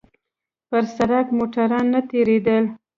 پر سړک موټران نه تېرېدل.